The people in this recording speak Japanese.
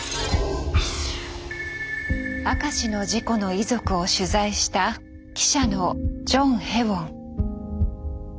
明石の事故の遺族を取材した記者のジョン・へウォン。